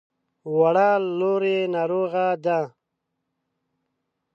وړه لور يې ناروغه ده.